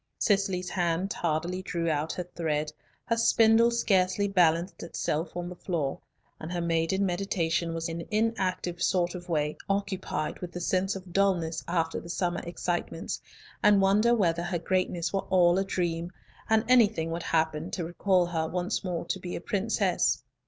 Cicely's hand tardily drew out her thread, her spindle scarcely balanced itself on the floor, and her maiden meditation was in an inactive sort of way occupied with the sense of dulness after the summer excitements, and wonder whether her greatness were all a dream, and anything would happen to recall her once more to be a princess.